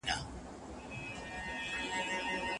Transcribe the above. او چي سېل سي د پیل زور نه په رسیږي.